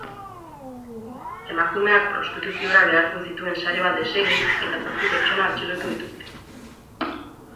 Emakumeak prostituziora behartzen zituen sare bat desegin eta zazpi pertsona atxilotu dituzte.